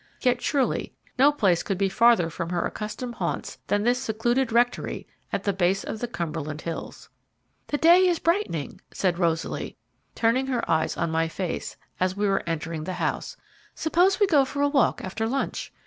Yet, surely, no place could be farther from her accustomed haunts than this secluded rectory at the base of the Cumberland hills. "The day is brightening," said Rosaly, turning her eyes on my face, as we were entering the house; "suppose we go for a walk after lunch?